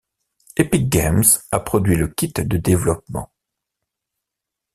Epic Games a produit le kit de développement.